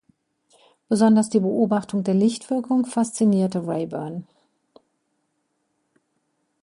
Besonders die Beobachtung der Lichtwirkung faszinierte Raeburn.